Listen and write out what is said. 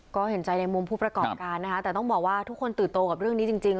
ก็เห็นใจในมุมผู้ประกอบการนะคะแต่ต้องบอกว่าทุกคนตื่นโตกับเรื่องนี้จริง